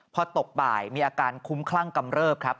พอตกบ่ายมีอาการคุ้มคลั่งกำเริบครับ